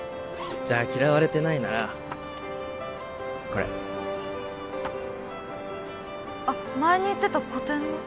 じゃあ嫌われてないならこれあっ前に言ってた個展の？